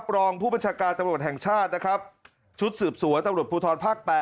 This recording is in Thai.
รองผู้บัญชาการตำรวจแห่งชาตินะครับชุดสืบสวนตำรวจภูทรภาค๘